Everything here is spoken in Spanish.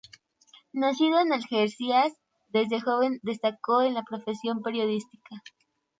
Nacido en Algeciras, desde joven destacó en la profesión periodística.